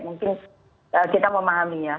mungkin kita memahami ya